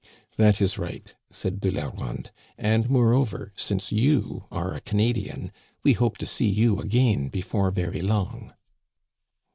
That is right," said De Laronde ;" and, moreover, since you are a Canadian, we hope to see you again be fore very long."